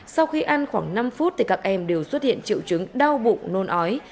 sau khi ăn khoảng năm phút thì các em đều xuất hiện triệu chứng đau bụng nôn ói